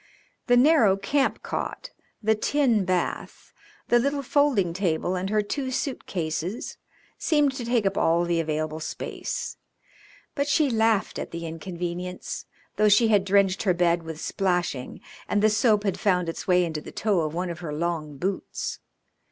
The narrow camp cot, the tin bath, the little folding table and her two suit cases seemed to take up all the available space. But she laughed at the inconvenience, though she had drenched her bed with splashing, and the soap had found its way into the toe of one of her long boots.